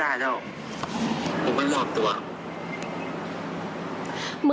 นะครับ